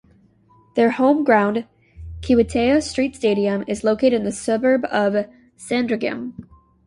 Their home ground, Kiwitea Street Stadium, is located in the suburb of Sandringham.